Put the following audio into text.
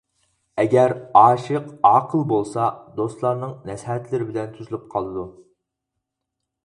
ئەگەر ئاشىق ئاقىل بولسا دوستلارنىڭ نەسىھەتلىرى بىلەن تۈزۈلۈپ قالىدۇ.